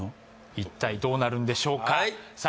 一体どうなるんでしょうかさあ